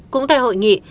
cũng tại hội nghị